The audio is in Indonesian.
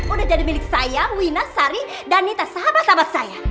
udah jadi milik saya wina sari dan nita sahabat sahabat saya